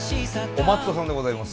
お待っとさんでございます。